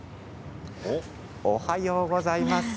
おはようございます。